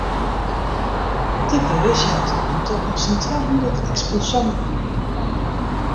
De beurs jout romte oan sa'n twahûndert eksposanten.